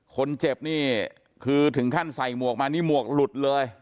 คนเจ็บนี่คือถึงขั้นใส่หมวกมานี่หมวกหลุดเลย